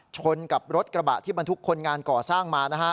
ชนกับรถกระบะที่บรรทุกคนงานก่อสร้างมานะฮะ